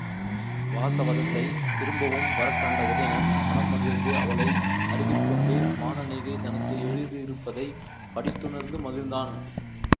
வாசவதத்தை திரும்பவும் வரக்கண்ட உதயணன் மனம்மகிழ்ந்து அவளை அருகிற்கொண்டு மானனீகை தனக்கு எழுதியிருப்பதைப் படித்துணர்ந்து மகிழ்ந்தான்.